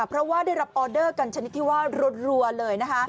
เพราะว่าได้รับออเดอร์กันชนิดที่ว่ารัวเลยนะคะ